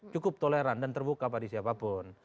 cukup toleran dan terbuka pada siapapun